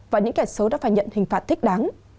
và những kẻ xấu đã phải nhận hình phạt thích đáng